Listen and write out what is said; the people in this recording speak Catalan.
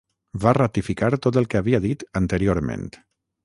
Va ratificar tot el que havia dit anteriorment.